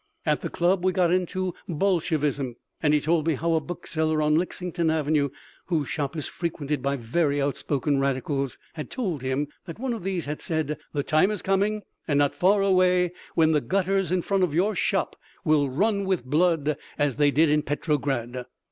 At the club we got onto Bolshevism, and he told me how a bookseller on Lexington Avenue, whose shop is frequented by very outspoken radicals, had told him that one of these had said, "The time is coming, and not far away, when the gutters in front of your shop will run with blood as they did in Petrograd."